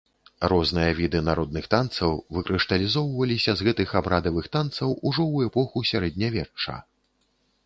Розныя віды народных танцаў выкрышталізоўваліся з гэтых абрадавых танцаў ўжо ў эпоху сярэднявечча.